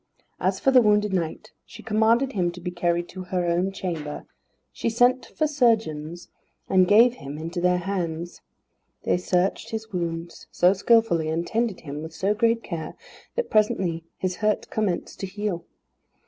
As for the wounded knight she commanded him to be carried to her own chamber. She sent for surgeons, and gave him into their hands. These searched his wounds so skilfully, and tended him with so great care, that presently his hurt commenced to heal.